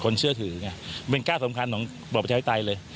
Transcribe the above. คนเชื่อถือไงก็เป็นก้าวสำคัญของบวกประเทศไอ้ไตเลย